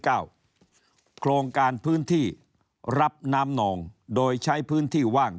โครงการพื้นที่รับน้ำนองโดยใช้พื้นที่ว่าง